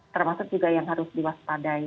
termasuk juga yang harus diwaspadai